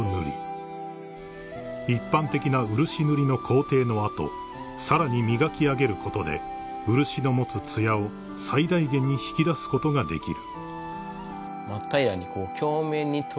［一般的な漆塗りの工程の後さらに磨き上げることで漆の持つつやを最大限に引き出すことができる］